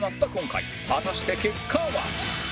果たして結果は？